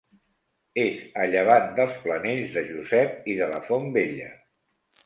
És a llevant dels Planells de Josep i de la Font Vella.